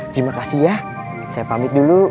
terima kasih ya saya pamit dulu